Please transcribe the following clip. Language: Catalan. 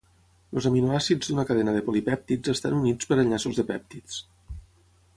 Els aminoàcids d'una cadena de polipèptids estan units per enllaços de pèptids.